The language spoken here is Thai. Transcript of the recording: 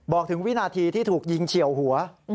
บอกถึงวินาทีที่ถูกยิงเฉียวหัว